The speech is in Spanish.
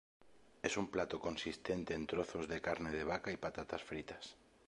Es un plato consistente en trozos de carne de vaca y patatas fritas.